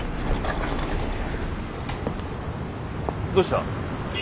どうした？